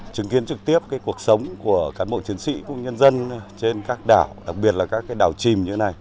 chứng kiến trực tiếp cuộc sống của cán bộ chiến sĩ nhân dân trên các đảo đặc biệt là các đảo chìm như này